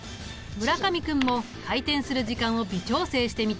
村上君も回転する時間を微調整してみた。